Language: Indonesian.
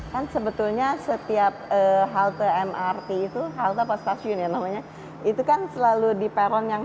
kan sebetulnya setiap halte mrt halte postasiun yang namanya sekarang itu selalu di peron yang